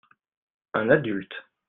un adulte.